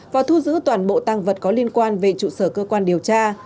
và thu giữ toàn bộ tăng vật có liên quan về trụ sở cơ quan điều tra